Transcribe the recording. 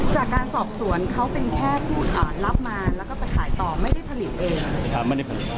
จากการสอบสวนเขาเป็นแค่ผู้รับมาแล้วก็ไปขายต่อไม่ได้ผลิตเอง